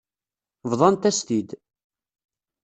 Bḍant-as-t-id.